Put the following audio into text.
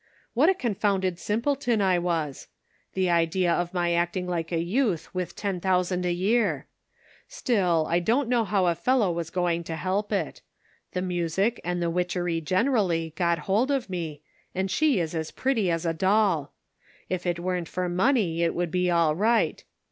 What a confounded sim pleton I was ! The idea of my acting like a youth with ten thousand a year I Still, I don't know how a fellow was going to help it. The music and the witchery generally got hold of me, and she is as pretty as a doll. If it weren't for money it would be all right.